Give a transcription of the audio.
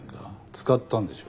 使ったんでしょ。